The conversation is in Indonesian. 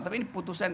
tapi ini putusan